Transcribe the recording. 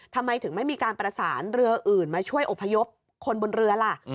ทำไมถึงไม่มีการประสานเรืออื่นมาช่วยอพยพคนบนเรือล่ะ